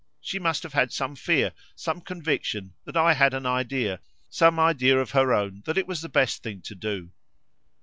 She must have had some fear, some conviction that I had an idea, some idea of her own that it was the best thing to do.